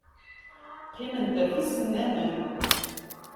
Qqiment ɣef yisennanen.